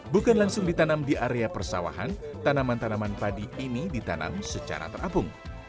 bukan langsung ditanam di area persawahan tanaman tanaman padi ini ditanam secara terapung